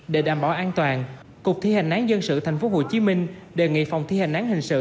để đảm bảo an toàn cục thi hành án dân sự tp hcm đề nghị phòng thi hành án hình sự